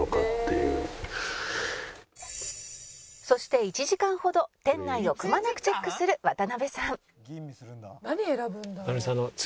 「そして１時間ほど店内をくまなくチェックする渡辺さん」